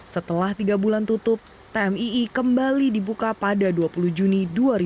setelah tiga bulan tutup tmii kembali dibuka pada dua puluh juni dua ribu dua puluh